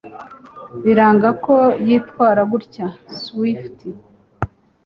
Biranga ko yitwara gutya. (Swift)